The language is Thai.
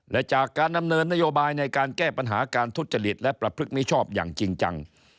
และจากการดำเนินนโยบายในการแก้ปัญหาการทุจริตและประพฤติมิชอบอย่างจริงจัง